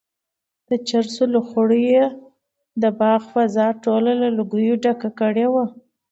د چرسو لوخړو یې د باغ فضا ټوله له لوګیو ډکه کړې وه.